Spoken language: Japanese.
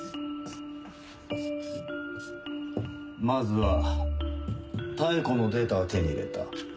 まずは妙子のデータは手に入れた。